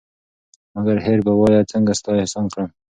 مگر هېر به وایه څنگه ستا احسان کړم